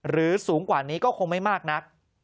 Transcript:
หรือสูงกว่านี้ก็คงไม่มากนะ